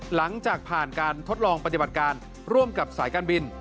หลังจากผ่านการทดลองปฏิบัติการร่วมกับสายการบิน